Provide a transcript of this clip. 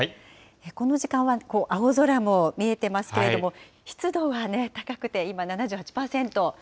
この時間は青空も見えてますけれども、湿度はね、高くて今７８％。